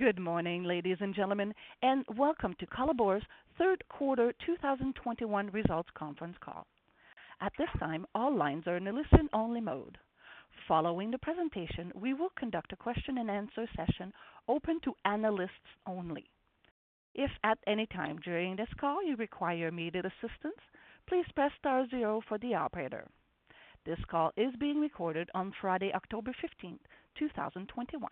Good morning, ladies and gentlemen, and welcome to Colabor's third quarter 2021 results conference call. At this time, all lines are in a listen-only mode. Following the presentation, we will conduct a question-and-answer session open to analysts only. If at any time during this call you require immediate assistance, please press star zero for the operator. This call is being recorded on Friday, October 15th, 2021.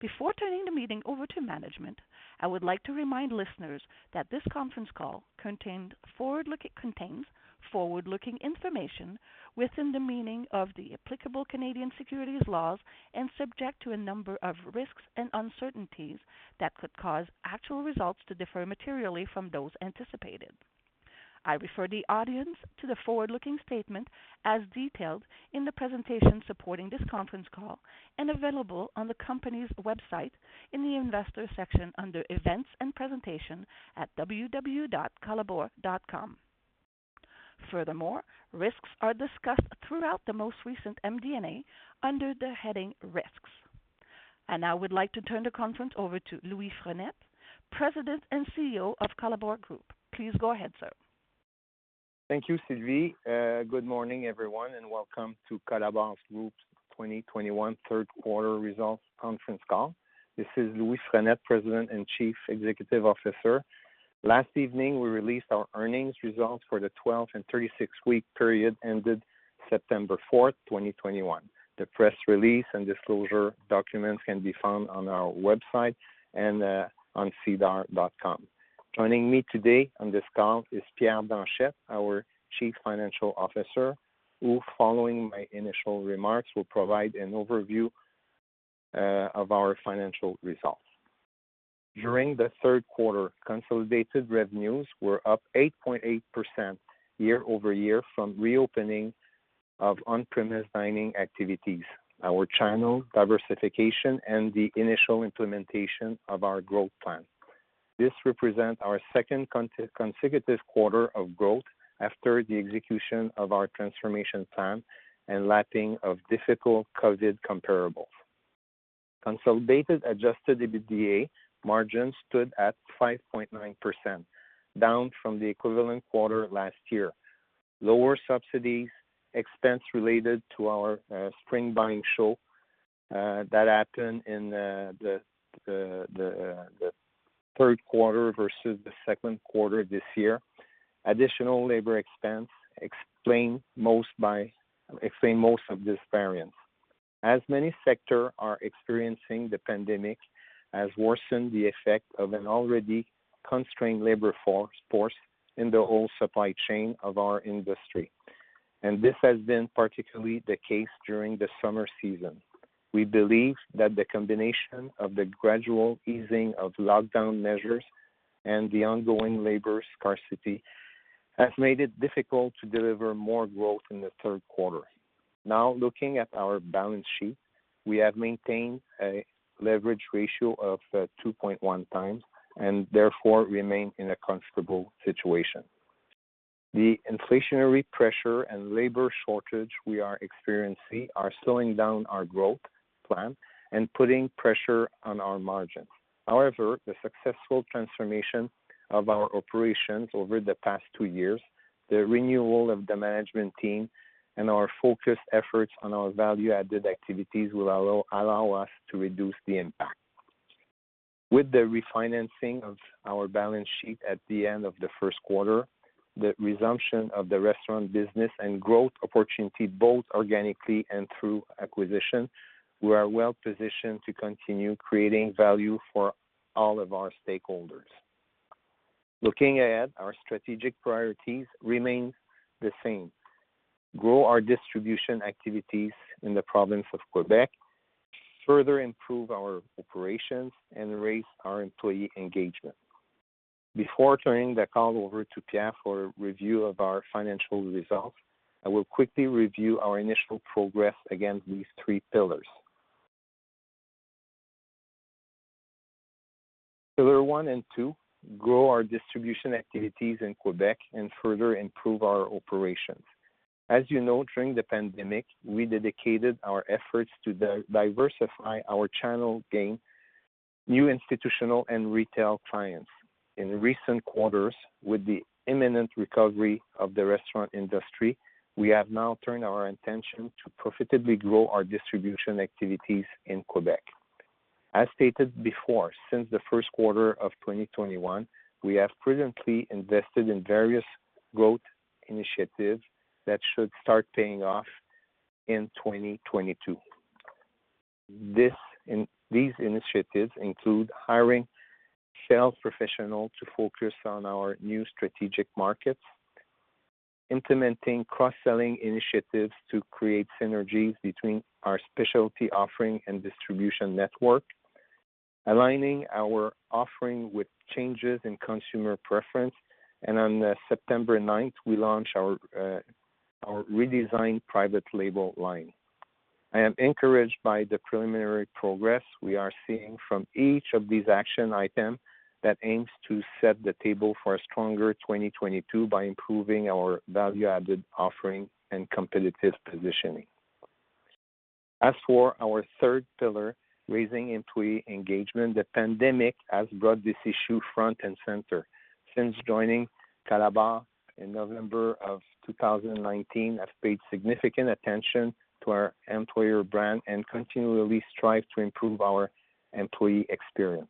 Before turning the meeting over to management, I would like to remind listeners that this conference call contains forward-looking information within the meaning of the applicable Canadian securities laws and subject to a number of risks and uncertainties that could cause actual results to differ materially from those anticipated. I refer the audience to the forward-looking statement as detailed in the presentation supporting this conference call and available on the company's website in the Investor section under Events and Presentation at www.colabor.com. Furthermore, risks are discussed throughout the most recent MD&A under the heading Risks. Now I would like to turn the conference over to Louis Frenette, President and CEO of Colabor Group. Please go ahead, sir. Thank you, Sylvie. Good morning, everyone, and welcome to Colabor Group's 2021 third quarter results conference call. This is Louis Frenette, President and Chief Executive Officer. Last evening, we released our earnings results for the 12 and 36 week period ended September 4th, 2021. The press release and disclosure documents can be found on our website and on sedar.com. Joining me today on this call is Pierre Blanchette, our Chief Financial Officer, who following my initial remarks, will provide an overview of our financial results. During the third quarter, consolidated revenues were up 8.8% year-over-year from reopening of on-premise dining activities, our channel diversification, and the initial implementation of our growth plan. This represents our second consecutive quarter of growth after the execution of our transformation plan and lapping of difficult COVID comparables. Consolidated adjusted EBITDA margins stood at 5.9%, down from the equivalent quarter last year. Lower subsidies, expense related to our spring buying show that happened in the third quarter versus the second quarter this year, additional labor expense explain most of this variance. As many sectors are experiencing, the pandemic has worsened the effect of an already constrained labor force in the whole supply chain of our industry. This has been particularly the case during the summer season. We believe that the combination of the gradual easing of lockdown measures and the ongoing labor scarcity has made it difficult to deliver more growth in the third quarter. Looking at our balance sheet, we have maintained a leverage ratio of 2.1x, and therefore remain in a comfortable situation. The inflationary pressure and labor shortage we are experiencing are slowing down our growth plan and putting pressure on our margins. However, the successful transformation of our operations over the past two years, the renewal of the management team, and our focused efforts on our value-added activities will allow us to reduce the impact. With the refinancing of our balance sheet at the end of the 1st quarter, the resumption of the restaurant business and growth opportunity, both organically and through acquisition, we are well positioned to continue creating value for all of our stakeholders. Looking at our strategic priorities remains the same: grow our distribution activities in the province of Quebec, further improve our operations, and raise our employee engagement. Before turning the call over to Pierre for a review of our financial results, I will quickly review our initial progress against these three pillars. Pillar 1 and 2, grow our distribution activities in Quebec and further improve our operations. As you know, during the pandemic, we dedicated our efforts to diversify our channel, gain new institutional and retail clients. In recent quarters, with the imminent recovery of the restaurant industry, we have now turned our intention to profitably grow our distribution activities in Quebec. As stated before, since the first quarter of 2021, we have prudently invested in various growth initiatives that should start paying off in 2022. These initiatives include hiring sales professionals to focus on our new strategic markets, implementing cross-selling initiatives to create synergies between our specialty offering and distribution network, aligning our offering with changes in consumer preference, on September 9th, we launched our redesigned private label line. I am encouraged by the preliminary progress we are seeing from each of these action items that aims to set the table for a stronger 2022 by improving our value-added offering and competitive positioning. As for our third pillar, raising employee engagement, the pandemic has brought this issue front and center. Since joining Colabor in November of 2019, I've paid significant attention to our employer brand and continually strive to improve our employee experience.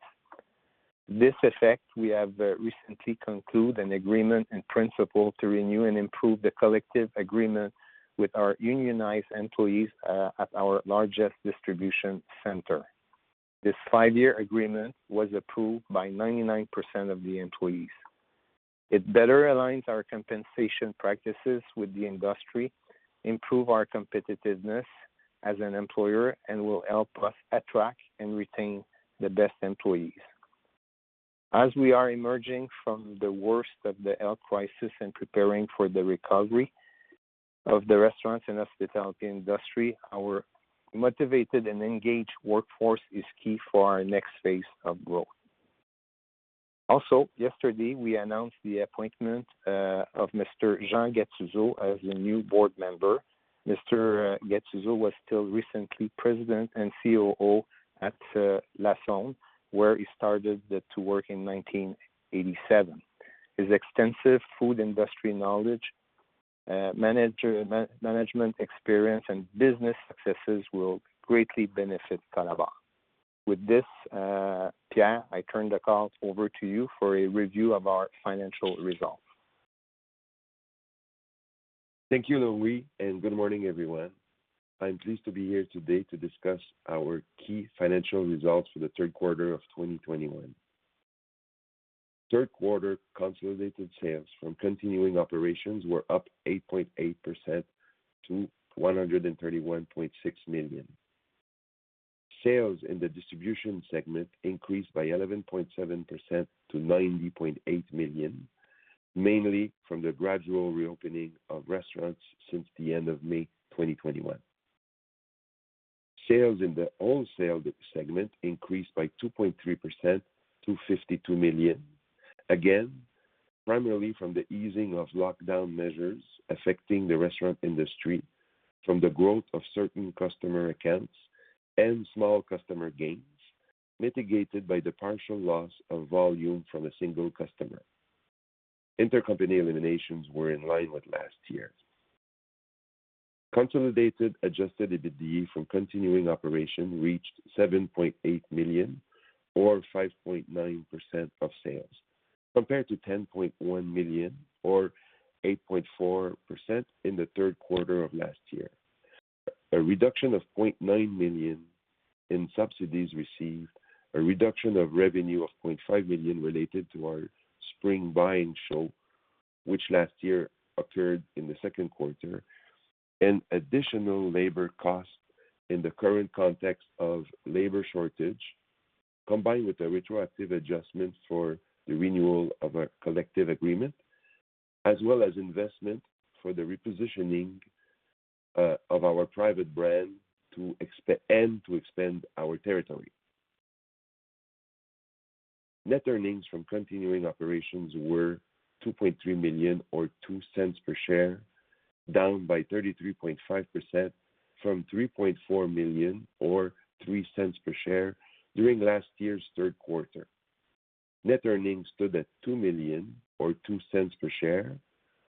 To this effect, we have recently concluded an agreement in principle to renew and improve the collective agreement with our unionized employees at our largest distribution center. This five-year agreement was approved by 99% of the employees. It better aligns our compensation practices with the industry, improve our competitiveness as an employer, and will help us attract and retain the best employees. As we are emerging from the worst of the health crisis and preparing for the recovery of the restaurants and hospitality industry, our motivated and engaged workforce is key for our next phase of growth. Yesterday, we announced the appointment of Mr. Jean Gattuso as a new Board Member. Mr. Gattuso was till recently President and COO at Lassonde, where he started to work in 1987. His extensive food industry knowledge, management experience, and business successes will greatly benefit Colabor. With this, Pierre, I turn the call over to you for a review of our financial results. Thank you, Louis, and good morning, everyone. I'm pleased to be here today to discuss our key financial results for the third quarter of 2021. Third quarter consolidated sales from continuing operations were up 8.8% to 131.6 million. Sales in the Distribution segment increased by 11.7% to 90.8 million, mainly from the gradual reopening of restaurants since the end of May 2021. Sales in the Wholesale segment increased by 2.3% to 52 million, again, primarily from the easing of lockdown measures affecting the restaurant industry from the growth of certain customer accounts and small customer gains, mitigated by the partial loss of volume from a single customer. Intercompany eliminations were in line with last year. Consolidated adjusted EBITDA from continuing operation reached 7.8 million or 5.9% of sales, compared to 10.1 million or 8.4% in the third quarter of last year. A reduction of 0.9 million in subsidies received, a reduction of revenue of 0.5 million related to our spring buying show, which last year occurred in the second quarter, and additional labor costs in the current context of labor shortage, combined with a retroactive adjustment for the renewal of a collective agreement, as well as investment for the repositioning of our private brand and to expand our territory. Net earnings from continuing operations were 2.3 million or 0.02 per share, down by 33.5% from 3.4 million or 0.03 per share during last year's third quarter. Net earnings stood at 2 million or 0.02 per share,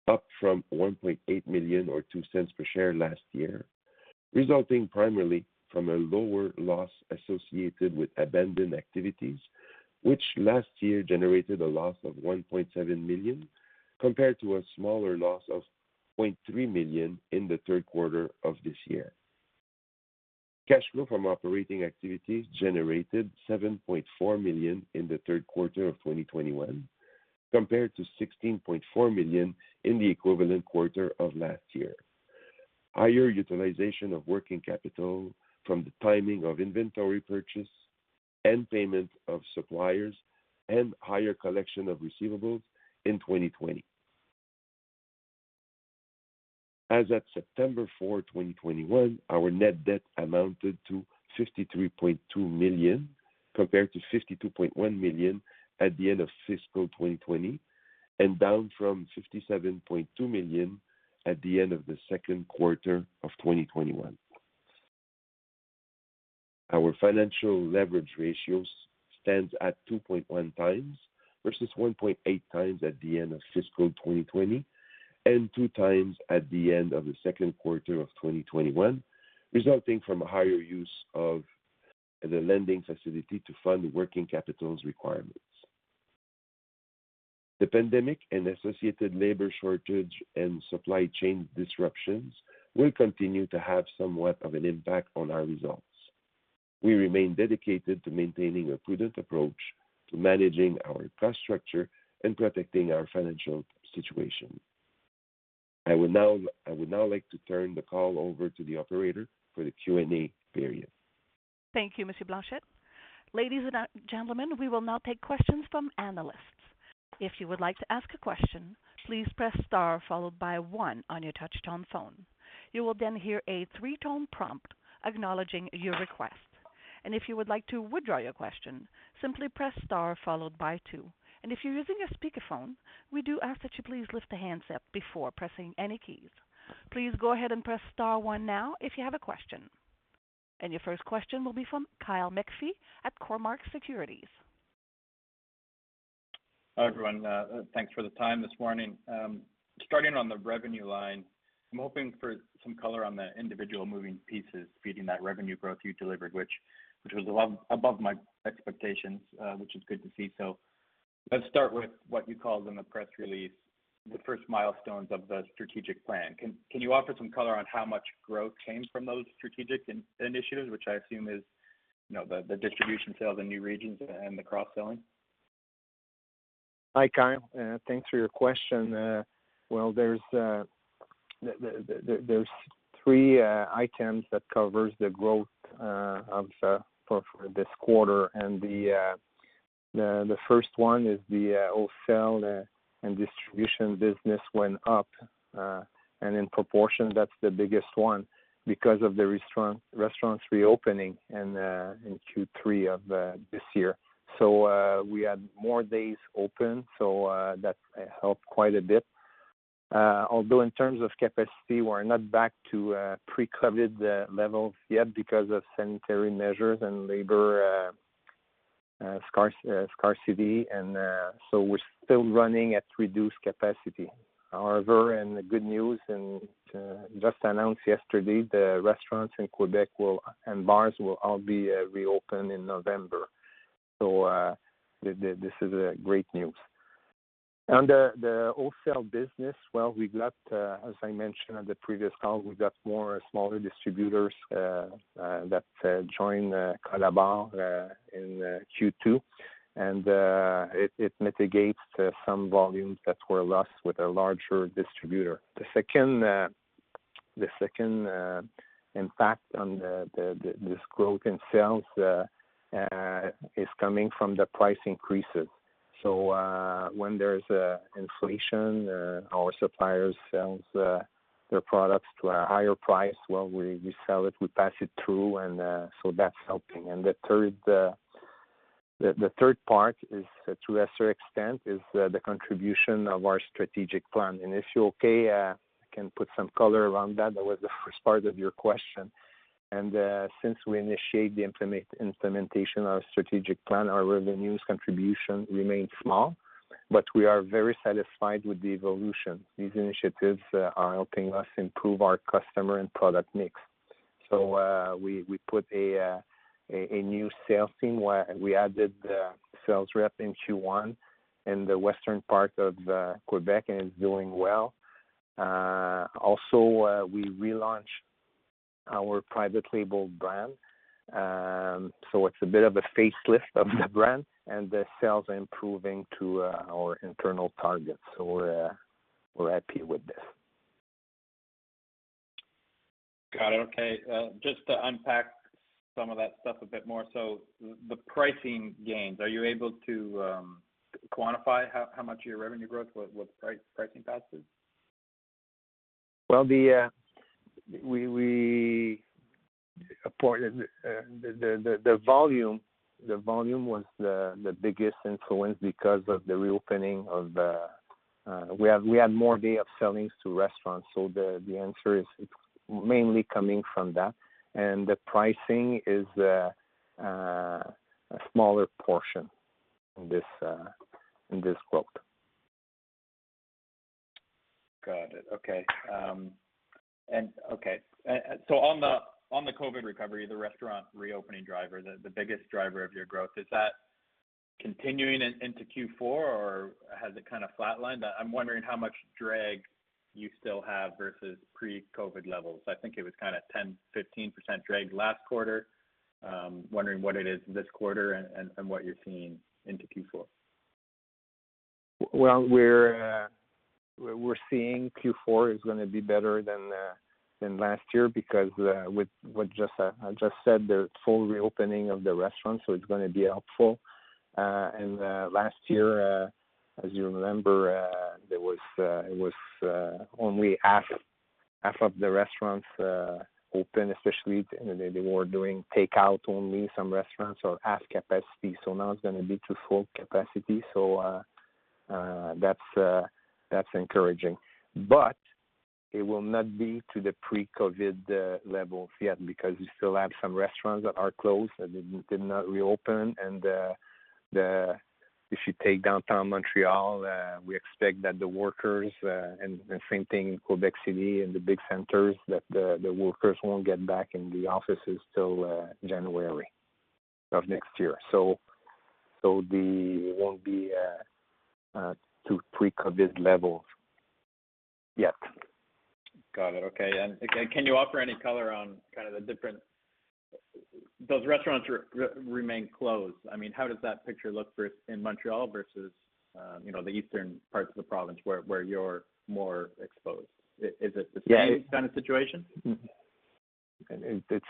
up from 1.8 million or 0.02 per share last year, resulting primarily from a lower loss associated with abandoned activities, which last year generated a loss of 1.7 million, compared to a smaller loss of 0.3 million in the third quarter of this year. Cash flow from operating activities generated 7.4 million in the third quarter of 2021, compared to 16.4 million in the equivalent quarter of last year. Higher utilization of working capital from the timing of inventory purchase and payment of suppliers and higher collection of receivables in 2020. As at September 4, 2021, our net debt amounted to 53.2 million, compared to 52.1 million at the end of fiscal 2020, and down from 57.2 million at the end of the second quarter of 2021. Our financial leverage ratio stands at 2.1x versus 1.8x at the end of fiscal 2020, and 2x at the end of the 2nd quarter of 2021, resulting from a higher use of the lending facility to fund working capital requirements. The pandemic and associated labor shortage and supply chain disruptions will continue to have somewhat of an impact on our results. We remain dedicated to maintaining a prudent approach to managing our cost structure and protecting our financial situation. I would now like to turn the call over to the operator for the Q&A period. Thank you, Mr. Blanchette. Ladies and gentlemen, we will now take questions from analysts. If you would like to ask a question, please press star followed by one on your touch-tone phone. You will then hear a three-tone prompt acknowledging your request. If you would like to withdraw your question, simply press star followed by two. If you're using a speakerphone, we do ask that you please lift the handset before pressing any keys. Please go ahead and press star one now if you have a question. Your first question will be from Kyle McPhee at Cormark Securities. Hi, everyone. Thanks for the time this morning. Starting on the revenue line, I'm hoping for some color on the individual moving pieces feeding that revenue growth you delivered, which was above my expectations, which is good to see. Let's start with what you called in the press release, the first milestones of the strategic plan. Can you offer some color on how much growth came from those strategic initiatives, which I assume is the distribution sales in new regions and the cross-selling? Hi, Kyle. Thanks for your question. Well, there's three items that covers the growth for this quarter, and the first one is the wholesale and distribution business went up. In proportion, that's the biggest one because of the restaurants reopening in Q3 of this year. We had more days open, so that helped quite a bit. Although in terms of capacity, we're not back to pre-COVID levels yet because of sanitary measures and labor scarcity, we're still running at reduced capacity. However, and the good news, and just announced yesterday, the restaurants in Quebec and bars will all be reopened in November. This is great news. On the Wholesale business, well, as I mentioned at the previous call, we got more smaller distributors that joined Colabor in Q2, and it mitigates some volumes that were lost with a larger distributor. The second impact on this growth in sales is coming from the price increases. When there's inflation, our suppliers sell their products to a higher price. Well, we sell it, we pass it through, that's helping. The third part is to a lesser extent, is the contribution of our strategic plan. If you're okay, I can put some color around that. That was the first part of your question. Since we initiate the implementation of strategic plan, our revenues contribution remains small, but we are very satisfied with the evolution. These initiatives are helping us improve our customer and product mix. We put a new sales team where we added a sales rep in Q1 in the western part of Quebec, and it's doing well. Also, we relaunched our private label brand. It's a bit of a facelift of the brand, and the sales are improving to our internal targets. We're happy with this. Got it. Okay. Just to unpack some of that stuff a bit more. The pricing gains, are you able to quantify how much of your revenue growth was price increases? Well, the volume was the biggest influence because of the reopening of the We had more day of sellings to restaurants. The answer is, it's mainly coming from that. The pricing is a smaller portion in this growth. Got it. Okay. On the COVID recovery, the restaurant reopening driver, the biggest driver of your growth, is that continuing into Q4, or has it kind of flatlined? I'm wondering how much drag you still have versus pre-COVID levels. I think it was 10%-15% drag last quarter. I'm wondering what it is this quarter and what you're seeing into Q4. Well, we're seeing Q4 is going to be better than last year because, what I just said, the full reopening of the restaurant, so it's going to be helpful. Last year, as you remember, it was only half of the restaurants open, especially they were doing takeout only, some restaurants or half capacity. Now it's going to be to full capacity, so that's encouraging. It will not be to the pre-COVID levels yet because you still have some restaurants that are closed and did not reopen. If you take downtown Montreal, we expect that the workers, and the same thing in Quebec City and the big centers, that the workers won't get back in the offices till January of next year. It won't be to pre-COVID levels yet. Got it. Okay. Can you offer any color on kind of the different Those restaurants remain closed. How does that picture look in Montreal versus the Eastern parts of the province where you're more exposed? Is it the same kind of situation?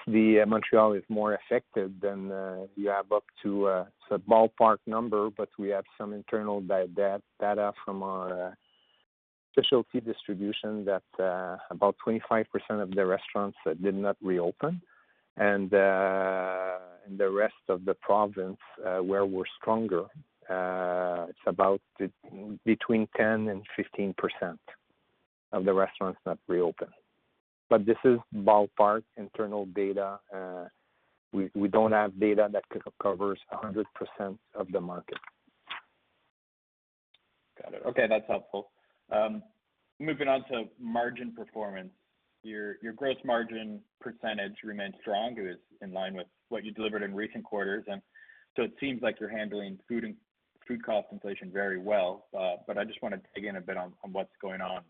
Yeah. Montreal is more affected. It's a ballpark number, but we have some internal data from our Specialty distribution that about 25% of the restaurants did not reopen. The rest of the province, where we're stronger, it's about between 10% and 15% of the restaurants that reopened. This is ballpark internal data. We don't have data that covers 100% of the market. Got it. Okay. That's helpful. Moving on to margin performance. Your gross margin percentage remains strong. It was in line with what you delivered in recent quarters, it seems like you're handling food cost inflation very well. I just want to dig in a bit on what's going on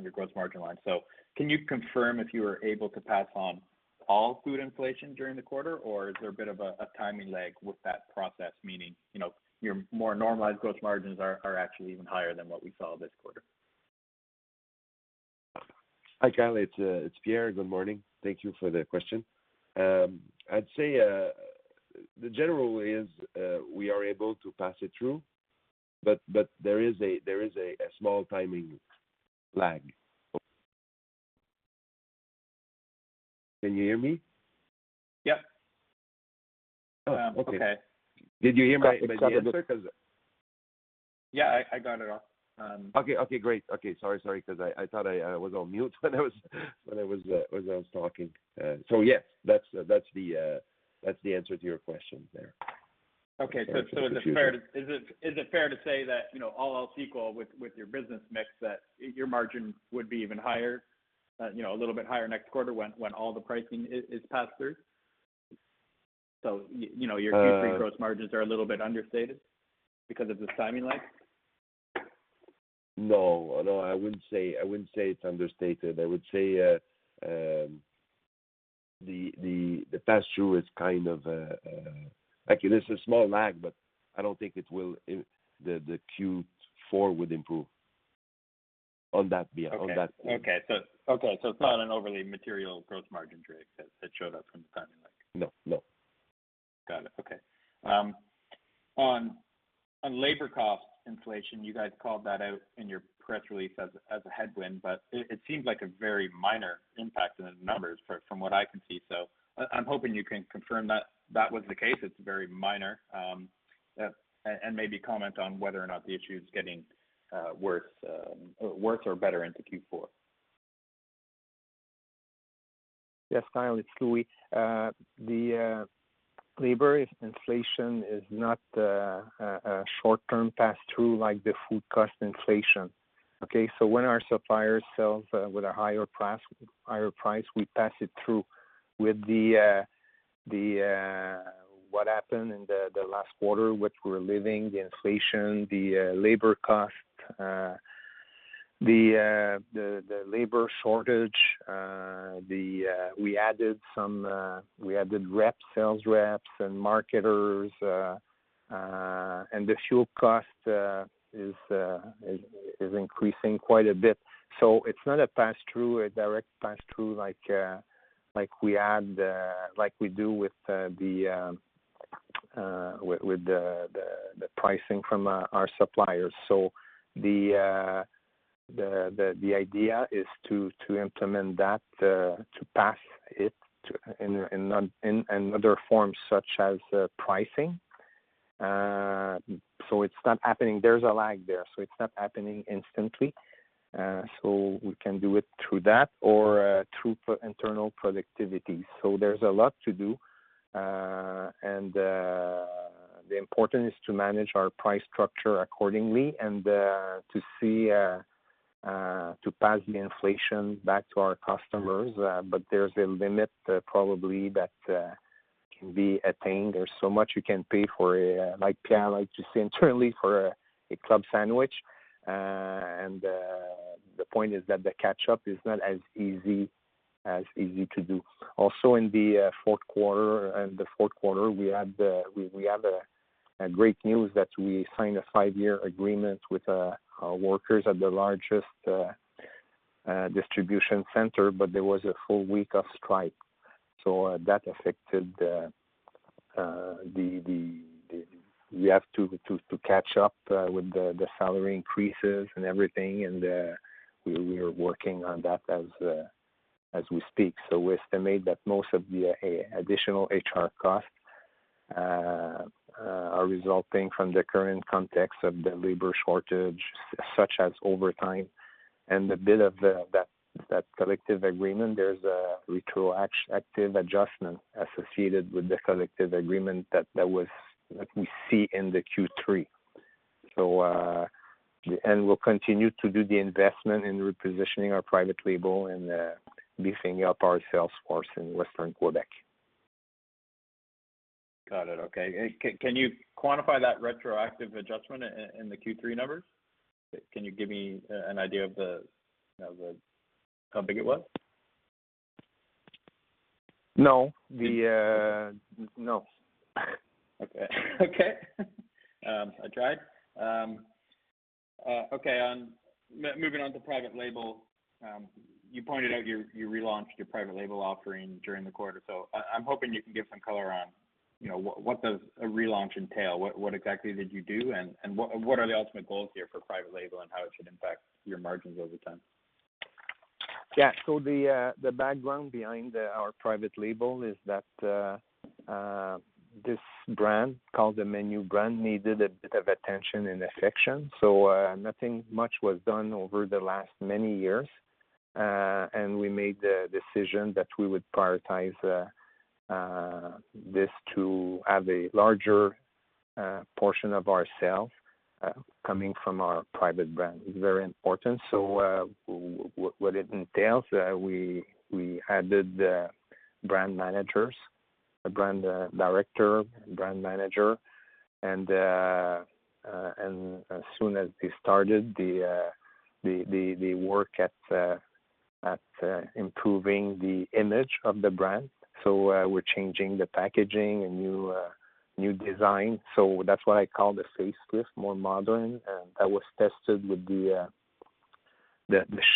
your gross margin line. Can you confirm if you were able to pass on all food inflation during the quarter, or is there a bit of a timing lag with that process? Meaning, your more normalized gross margins are actually even higher than what we saw this quarter. Hi, Kyle. It's Pierre. Good morning. Thank you for the question. I'd say, the general is, we are able to pass it through, but there is a small timing lag. Can you hear me? Yeah. Oh, okay. Okay. Did you hear my- Got the- answer because Yeah, I got it all. Okay, great. Okay. Sorry, because I thought I was on mute when I was talking. Yes, that's the answer to your question there. Is it fair to say that, all else equal with your business mix, that your margin would be even higher, a little bit higher next quarter when all the pricing is passed through? Uh- Q3 gross margins are a little bit understated because of this timing lag? No. I wouldn't say it's understated. I would say the pass-through is kind of actually, there's a small lag, but I don't think the Q4 would improve Okay on that. Okay. It's not an overly material gross margin drag that showed up from the timing lag. No. Got it. Okay. On labor cost inflation, you guys called that out in your press release as a headwind, but it seems like a very minor impact in the numbers from what I can see. I'm hoping you can confirm that was the case, it's very minor, and maybe comment on whether or not the issue is getting worse or better into Q4? Yes, Kyle, it's Louis. The labor inflation is not a short-term pass-through like the food cost inflation. Okay? When our suppliers sell with a higher price, we pass it through. With what happened in the last quarter, what we're living, the inflation, the labor cost, the labor shortage, we added rep, sales reps, and marketers, and the fuel cost is increasing quite a bit. It's not a pass-through, a direct pass-through like we do with the pricing from our suppliers. The idea is to implement that, to pass it in other forms such as pricing. It's not happening. There's a lag there, so it's not happening instantly. We can do it through that or through internal productivity. There's a lot to do, and the importance is to manage our price structure accordingly and to pass the inflation back to our customers. There's a limit, probably, that can be attained. There's so much you can pay for a, like Pierre likes to say internally, for a club sandwich. The point is that the catch-up is not as easy to do. Also, in the fourth quarter, we had great news that we signed a five-year agreement with our workers at the largest distribution center, but there was a full week of strike. We have to catch up with the salary increases and everything, and we are working on that as we speak. We estimate that most of the additional HR costs are resulting from the current context of the labor shortage, such as overtime and a bit of that collective agreement. There's a retroactive adjustment associated with the collective agreement that we see in the Q3. We'll continue to do the investment in repositioning our private label and beefing up our sales force in western Quebec. Got it. Okay. Can you quantify that retroactive adjustment in the Q3 numbers? Can you give me an idea of how big it was? No. Okay. I tried. Okay, moving on to private label. You pointed out you relaunched your private label offering during the quarter. I'm hoping you can give some color on. What does a relaunch entail? What exactly did you do, and what are the ultimate goals here for private label and how it should impact your margins over time? Yeah. The background behind our private label is that this brand, called the Menu brand, needed a bit of attention and affection. Nothing much was done over the last many years, and we made the decision that we would prioritize this to have a larger portion of our sales coming from our private brand. It's very important. What it entails, we added the Brand managers, a Brand director, Brand manager. As soon as they started, they work at improving the image of the brand. We're changing the packaging, a new design. That's why I call the facelift more modern, and that was tested with the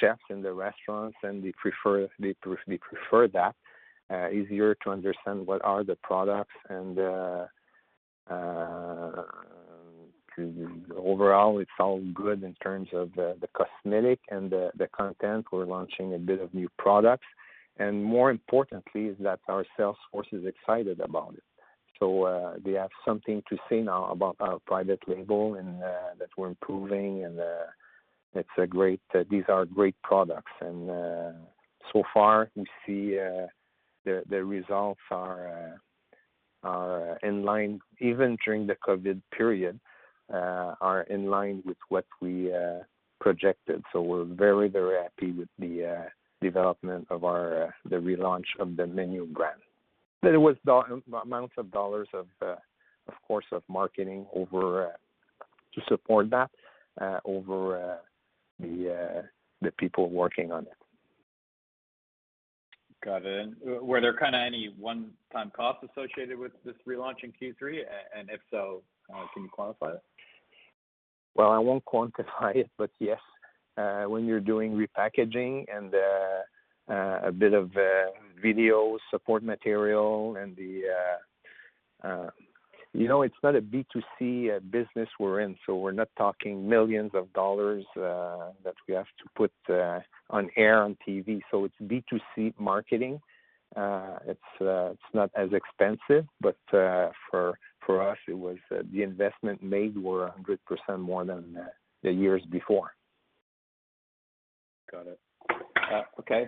chefs in the restaurants, and they prefer that. Easier to understand what are the products and, overall, it's all good in terms of the cosmetic and the content. We're launching a bit of new products. More importantly is that our sales force is excited about it. They have something to say now about our private label, and that we're improving and these are great products. So far, we see the results are in line, even during the COVID period, are in line with what we projected. We're very happy with the development of the relaunch of the Menu brand. There was amounts of dollars, of course, of marketing to support that over the people working on it. Got it. Were there any one-time costs associated with this relaunch in Q3? If so, can you quantify it? Well, I won't quantify it, but yes. When you're doing repackaging and a bit of video support material. It's not a B2C business we're in, so we're not talking millions of dollars that we have to put on air on TV. It's B2C marketing. It's not as expensive, but for us, the investment made were 100% more than the years before. Got it. Okay.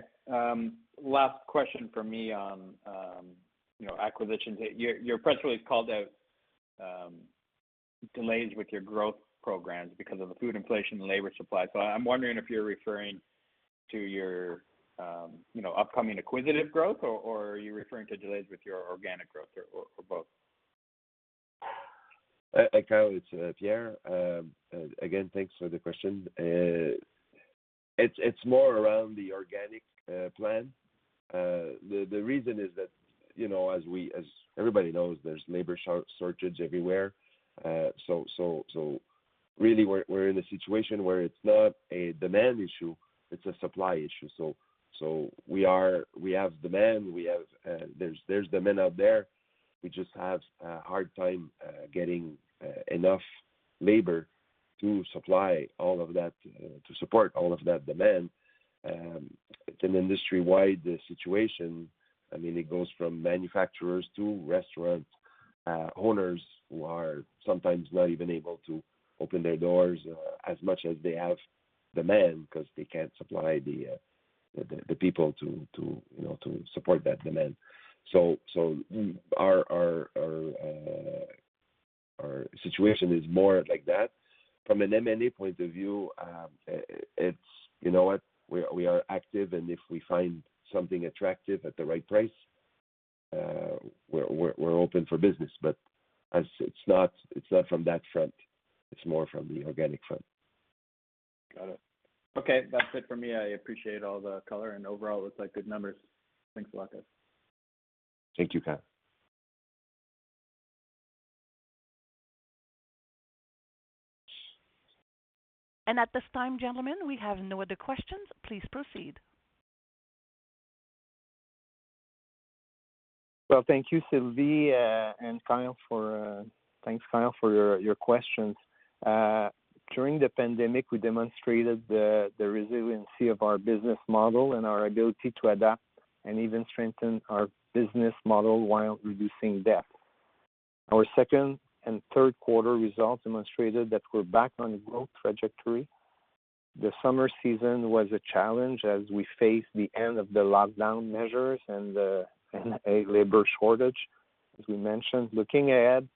Last question from me on acquisitions. Your press release called out delays with your growth programs because of the food inflation and labor supply. I'm wondering if you're referring to your upcoming acquisitive growth, or are you referring to delays with your organic growth, or both? Kyle, it's Pierre. Again, thanks for the question. It's more around the organic plan. The reason is that, as everybody knows, there's labor shortage everywhere. Really, we're in a situation where it's not a demand issue, it's a supply issue. We have demand. There's demand out there. We just have a hard time getting enough labor to supply all of that, to support all of that demand. It's an industry-wide situation. It goes from manufacturers to restaurant owners who are sometimes not even able to open their doors as much as they have demand because they can't supply the people to support that demand. Our situation is more like that. From an M&A point of view, you know what? We are active, and if we find something attractive at the right price, we're open for business. It's not from that front. It's more from the organic front. Got it. Okay. That's it for me. I appreciate all the color and overall, looks like good numbers. Thanks a lot, guys. Thank you, Kyle. At this time, gentlemen, we have no other questions. Please proceed. Well, thank you, Sylvie and Kyle. Thanks, Kyle, for your questions. During the pandemic, we demonstrated the resiliency of our business model and our ability to adapt and even strengthen our business model while reducing debt. Our second and third quarter results demonstrated that we're back on a growth trajectory. The summer season was a challenge as we faced the end of the lockdown measures and a labor shortage, as we mentioned. Looking ahead,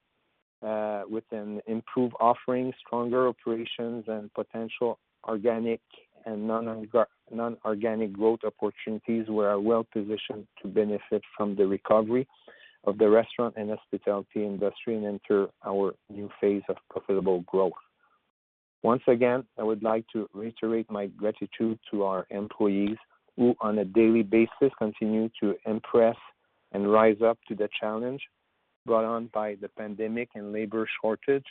with an improved offering, stronger operations, and potential organic and non-organic growth opportunities, we are well-positioned to benefit from the recovery of the restaurant and hospitality industry and enter our new phase of profitable growth. Once again, I would like to reiterate my gratitude to our employees, who, on a daily basis, continue to impress and rise up to the challenge brought on by the pandemic and labor shortage,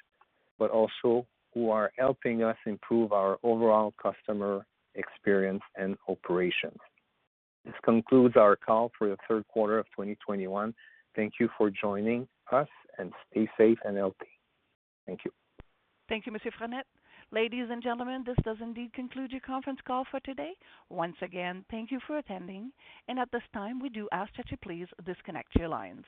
but also who are helping us improve our overall customer experience and operations. This concludes our call for the third quarter of 2021. Thank you for joining us, and stay safe and healthy. Thank you. Thank you, Mr. Frenette. Ladies and gentlemen, this does indeed conclude your conference call for today. Once again, thank you for attending. At this time, we do ask that you please disconnect your lines.